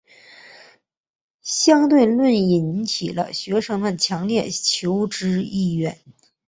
相对论引起了学生们的强烈求知意愿。